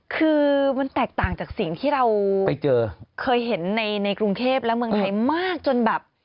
คือมันแตกต่างจากสิ่งที่เราเคยเห็นในกรุงเทพและเมืองไทยมากจนแบบ